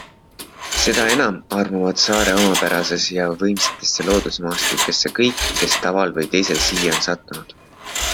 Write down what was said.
Seda enam armuvad saare omapärasse ja võimsatesse loodusmaastikesse kõik, kes taval või teisel siia on sattunud.